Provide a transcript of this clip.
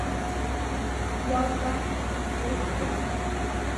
Уалагахырц угәы иҭоума?